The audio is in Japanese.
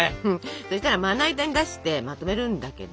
そしたらまな板に出してまとめるんだけど。